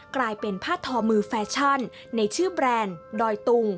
กลายเป็นผ้าทอมือแฟชั่นในชื่อแบรนด์ดอยตุง